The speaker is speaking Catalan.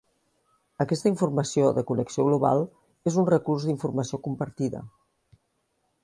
Aquesta informació de connexió global és un recurs d'informació compartida.